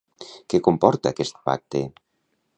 Què comporta aquest pacte?